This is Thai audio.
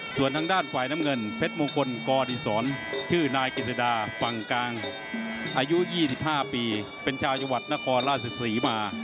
ส่วนทางด้านฝ่ายน้ำเงินเพชรมงคลกดิสรชื่อนายกิจสดาฝั่งกลางอายุ๒๕ปีเป็นชาวจังหวัดนครราชศรีมา